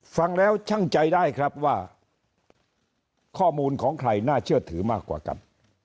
ฟังแล้วช่างใจได้ครับว่าข้อมูลของใครน่าเชื่อถือมากกว่ากัน